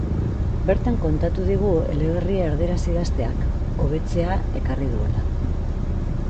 Bertan kontatu digu eleberria erderaz idazteak, hobetzea ekarri duela.